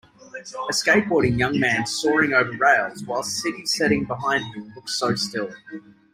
A skateboarding young man 's soaring over rails, while city setting behind him looks so still.